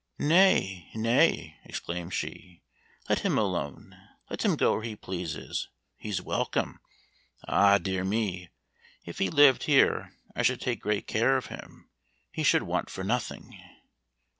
"Nay, nay," exclaimed she, "let him alone, let him go where he pleases. He's welcome. Ah, dear me! If he lived here I should take great care of him he should want for nothing.